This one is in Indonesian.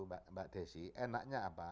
mbak desi enaknya apa